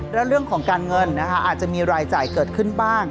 แล้วเรื่องของการเงินนะคะอาจจะมีรายจ่ายเกิดขึ้นบ้าง